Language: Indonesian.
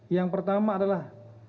yang pertama adalah